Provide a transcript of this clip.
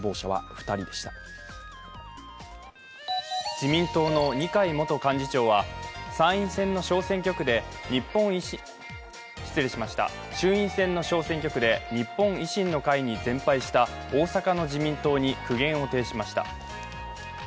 自民党の二階元幹事長は衆院選の小選挙区で日本維新の会に全敗した大阪の自民党に苦言を呈しました。